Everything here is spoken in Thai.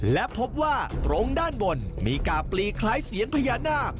และพบว่าตรงด้านบนมีกาบปลีคล้ายเซียนพญานาค